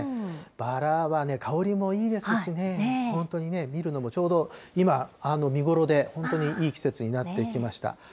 バラはね、香りもいいですしね、本当にね、見るのもちょうど今、見頃で、本当にいい季節になってきました。